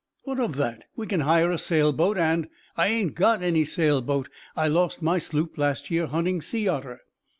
"What of that! We can hire a sail boat, and " "I ain't got any sail boat. I lost my sloop last year hunting sea otter."